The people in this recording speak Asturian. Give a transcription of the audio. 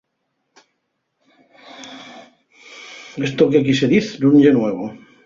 Esto qu'equí se diz nun ye nuevo.